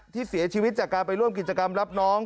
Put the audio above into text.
ที่เสียชีวิตจากการไปร่วมกิจกรรมรับน้อง